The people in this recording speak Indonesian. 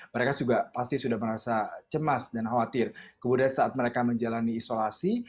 mereka juga pasti sudah merasa cemas dan khawatir kemudian saat mereka menjalani isolasi